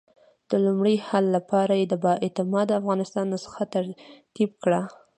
د لومړني حل لپاره یې د با اعتماده افغانستان نسخه ترتیب کړه.